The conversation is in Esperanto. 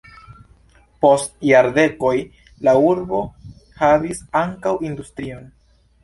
Post jardekoj la urbo havis ankaŭ industrion.